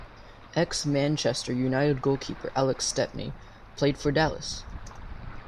Ex-Manchester United goalkeeper, Alex Stepney played for Dallas.